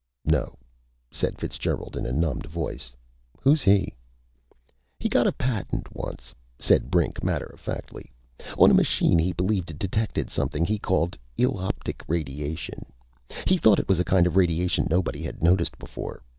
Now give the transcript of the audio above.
"No," said Fitzgerald in a numbed voice. "Who's he?" "He got a patent once," said Brink, matter of factly, "on a machine he believed detected something he called eloptic radiation. He thought it was a kind of radiation nobody had noticed before.